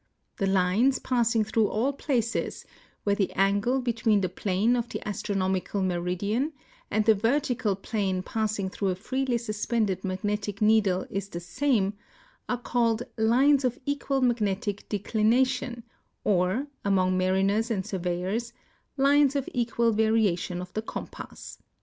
The lines passing through all places where the angle between the plane of the astronomical meridian and the vertical plane passing through a freely sus[)ended magnetic needle is the same are called lines of equal magnetic declination or, among mariners and surveyors, lines of e(]ual variation of the compass.